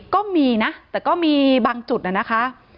ก็มีนะแต่ก็มีบางจุดน่ะนะคะ